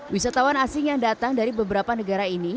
wisatawan asing yang datang dari beberapa negara ini